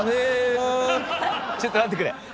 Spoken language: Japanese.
ちょっと待ってくれ。